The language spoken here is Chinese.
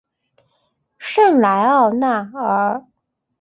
圣莱奥纳尔。